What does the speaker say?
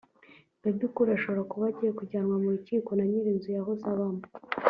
Bebe Cool ashobora kuba agiye kujyanwa mu rukiko na ny’iri nzu yahoze abamo